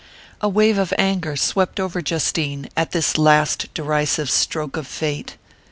A wave of anger swept over Justine at this last derisive stroke of fate.